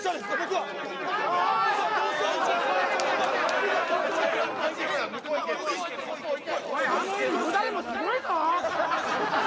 だれもすごいぞ！